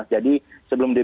jadi sebelum debut